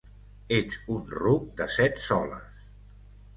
Ets un ruc de set soles!